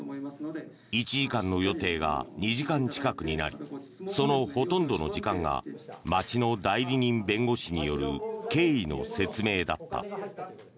１時間の予定が２時間近くになりそのほとんどの時間が町の代理人弁護士による経緯の説明だった。